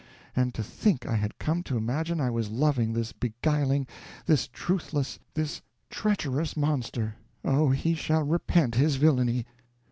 And to think I had come to imagine I was loving this beguiling, this truthless, this treacherous monster! Oh, he shall repent his villainy!"